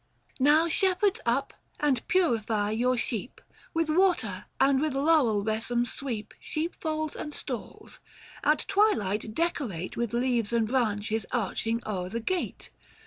845 Now shepherds up, and purify your sheep ; With water and with laurel besom sweep Sheepfolds and stalls ; at twilight decorate With leaves and branches arching o'er the gate.